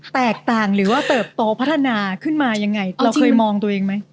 แตกต่างหรือว่าเติบโตพัฒนาขึ้นมายังไงเราเคยมองตัวเองไหม